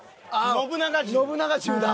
信長銃だ。